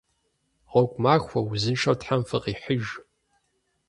Гъуэгу махуэ! Узыншэу Тхьэм фыкъихьыж.